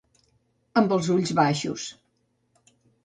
Amb els ulls baixos.